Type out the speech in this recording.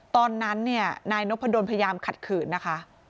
ตอนนั้นนายนพะโดนพยายามขัดขืนนะคะ